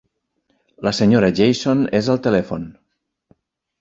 La senyora Jason és al telèfon.